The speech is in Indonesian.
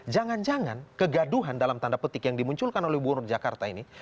jangan jangan kegaduhan dalam tanda petik yang dimunculkan oleh gubernur jakarta ini